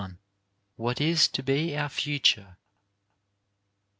WHAT IS TO BE OUR FUTURE?